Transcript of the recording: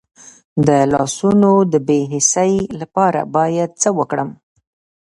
د لاسونو د بې حسی لپاره باید څه وکړم؟